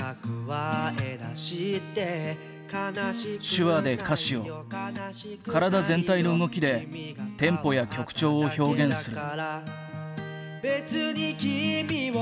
手話で歌詞を体全体の動きでテンポや曲調を表現する。